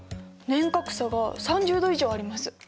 年較差が３０度以上あります。